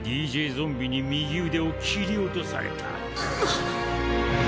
ゾンビに右腕を切り落とされた。